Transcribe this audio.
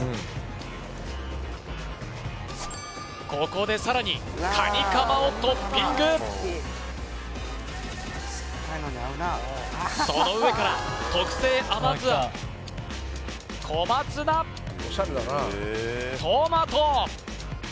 ここでさらにカニカマをトッピングその上から特製甘酢餡小松菜トマト！